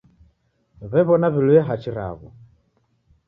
W'ew'ona w'iluye hachi raw'o.